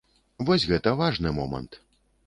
Вось гэта важны момант.